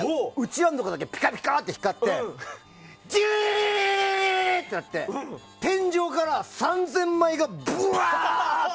らのところだけぴかぴかって光ってジリリリリ！ってなって天井から３０００枚がブワーッて！